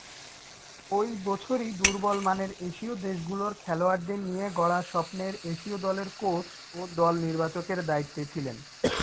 ঐ বছরই দূর্বলমানের এশীয় দেশগুলোর খেলোয়াড়দের নিয়ে গড়া স্বপ্নের এশীয় দলের কোচ ও দল নির্বাচকের দায়িত্বে ছিলেন।